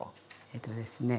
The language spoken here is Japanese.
えっとですね